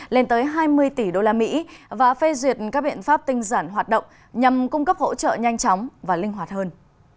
lên tới hai mươi tỷ đô la mỹ và phê duyệt các biện pháp tinh giản hoạt động nhằm cung cấp hỗ trợ nhanh chóng và linh hoạt hơn